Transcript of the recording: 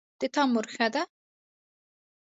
د تا مور ښه ده